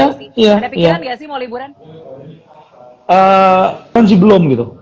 ada pikiran enggak sih mau liburan